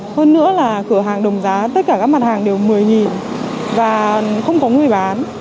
hơn nữa là cửa hàng đồng giá tất cả các mặt hàng đều một mươi và không có người bán